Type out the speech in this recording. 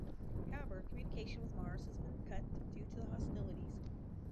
However, communication with Mars has been cut due to the hostilities.